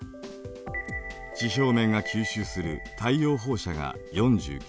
地表面が吸収する太陽放射が４９。